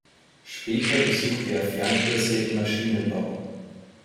Später besuchte er Fernkurse in Maschinenbau.